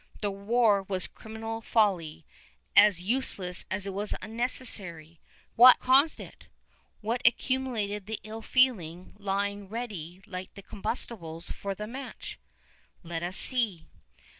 The war was criminal folly, as useless as it was unnecessary. What caused it? What accumulated the ill feeling lying ready like combustibles for the match? Let us see.